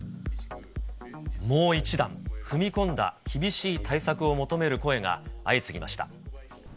もう一段、踏み込んだ厳しい対策を求める声が相次ぎました。